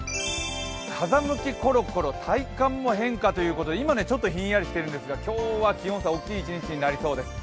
風向きコロコロ体感も変化ということで今、ひんやりしてるんですが今日は気温差大きいと思います。